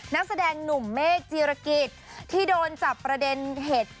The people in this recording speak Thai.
นักแสดงหนุ่มเมฆจีรกิจที่โดนจับประเด็นเหตุ